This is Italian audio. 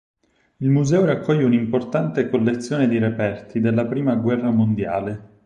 Il museo raccoglie un'importante collezione di reperti della Prima guerra mondiale.